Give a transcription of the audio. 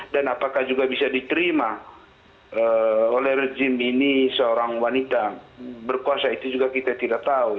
dan apakah juga bisa diterima oleh rejim ini seorang wanita berkuasa itu juga kita tidak tahu